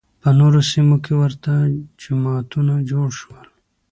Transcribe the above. په نورو سیمو کې ورته جماعتونه جوړ شول